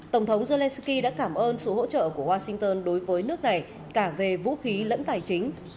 tổng thống zelensky đã cảm ơn sự hỗ trợ của washington đối với nước này cả về vũ khí lẫn tài chính